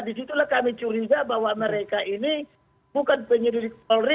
di situlah kami curiga bahwa mereka ini bukan penyelidik polri